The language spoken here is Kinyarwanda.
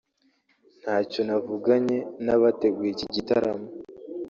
ntacyo navuganye nabateguye iki gitaramo